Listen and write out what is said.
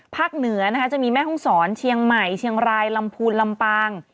เหนือนะคะจะมีแม่ห้องศรเชียงใหม่เชียงรายลำพูนลำปาง